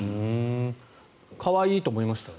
可愛いと思いました？